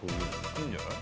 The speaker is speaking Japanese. いいんじゃない？